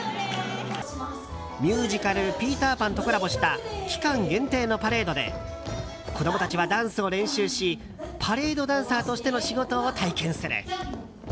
ミュージカル「ピーター・パン」とコラボした期間限定のパレードで子供たちはダンスを練習しパレードダンサーとしての仕事を体験する。